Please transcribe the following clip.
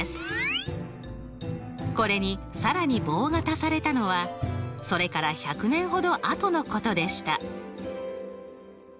これに更に棒が足されたのはそれから１００年ほどあとのことでした。